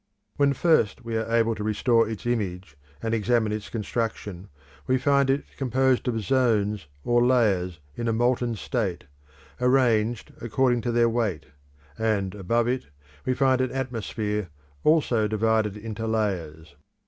When first we are able to restore its image and examine its construction, we find it composed of zones or layers in a molten state, arranged according to their weight; and above it we find an atmosphere also divided into layers.